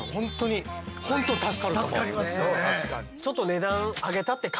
助かりますよね。